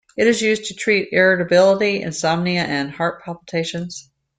It is used to treat irritability, insomnia and heart palpitations.